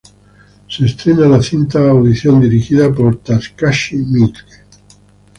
Se estrena la cinta Audition, dirigida por Takashi Miike.